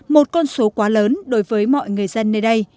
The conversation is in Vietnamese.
một con số quá lớn đối với mọi người dân nơi đây